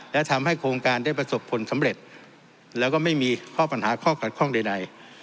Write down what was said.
และทำให้โครงการได้ประสบผลสำเร็จแล้วก็ไม่มีข้อปัญหาข้อขัดข้องใด